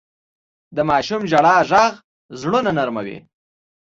د ماشوم ژړا ږغ زړونه نرموي.